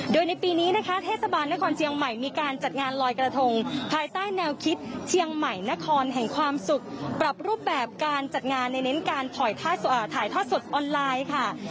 โดยในปีนี้นะคะเทศบาลนครเชียงใหม่มีการจัดงานลอยกระทงภายใต้แนวคิดเชียงใหม่นครแห่งความสุขปรับรูปแบบการจัดงานในเน้นการถ่ายทอดสดออนไลน์ค่ะ